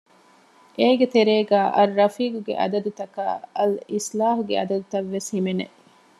އޭގެ ތެރޭގައި އައްރަފީޤު ގެ އަދަދުތަކާއި އަލްއިޞްލާހު ގެ އަދަދުތައް ވެސް ހިމެނެ